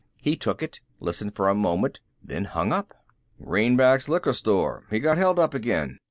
He took it, listened for a moment, then hung up. "Greenback's liquor store. He got held up again.